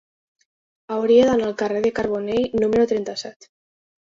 Hauria d'anar al carrer de Carbonell número trenta-set.